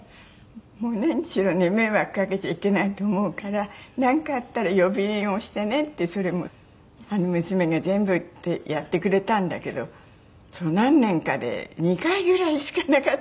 もう何しろね迷惑かけちゃいけないと思うから「なんかあったら呼び鈴押してね」ってそれも娘が全部やってくれたんだけど何年かで２回ぐらいしかなかったですね。